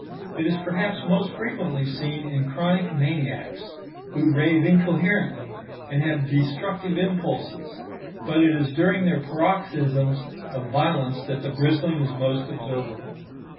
It is perhaps most frequently seen in chronic maniacs, who rave incoherently and have destructive impulses; but it is during their paroxysms of violence that the bristling is most observable.